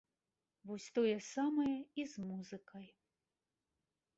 Вось тое самае і з музыкай.